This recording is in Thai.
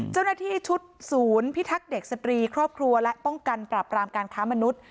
เจ้าหน้าที่ชุดศูนย์พิทักษ์เด็กสตรีครอบครัวและป้องกันปราบรามการค้ามนุษย์